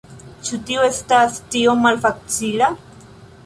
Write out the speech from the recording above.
Ĉu tio estas tiom malfacila?